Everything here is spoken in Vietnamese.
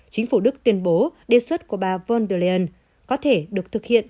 chính phủ đức tuyên bố đề xuất của bà von der leyen có thể được thực hiện